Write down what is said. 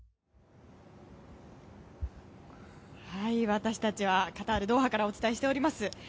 私たちはカタールのドーハからお伝えしています。